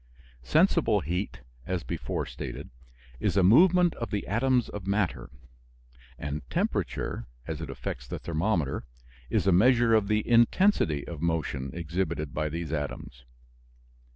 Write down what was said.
Sensible heat, as before stated, is a movement of the atoms of matter, and temperature, as it affects the thermometer, is a measure of the intensity of motion exhibited by these atoms.